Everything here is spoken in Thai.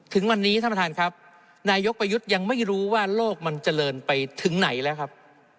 ถึงวันนี้ท่านประธานครับนายกประยุทธ์ยังไม่รู้ว่าโลกมันเจริญไปถึงไหนแล้วครับ